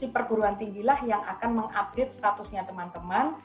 perguruan tinggilah yang akan mengupdate statusnya teman teman